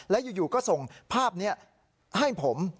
แล้วอยู่ก็ส่งภาพนี้ให้ผม